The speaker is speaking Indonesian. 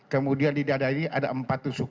kemudian di dada ini ada empat tusuk